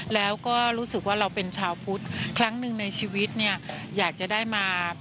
แล้วก็รู้สึกว่าเราเป็นชาวพุทธครั้งหนึ่งในชีวิตเนี่ยอยากจะได้มา